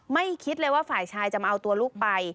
คิดเลยว่าฝ่ายชายจะมาเอาตัวลูกไป